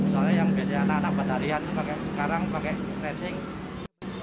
soalnya yang beda anak anak badarian sekarang pakai racing